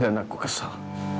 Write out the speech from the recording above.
dan aku kesel